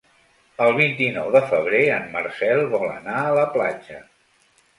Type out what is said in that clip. El vint-i-nou de febrer en Marcel vol anar a la platja.